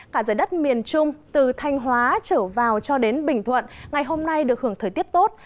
cả giới đất miền trung từ thanh hóa trở vào cho đến bình thuận ngày hôm nay được hưởng thời tiết tốt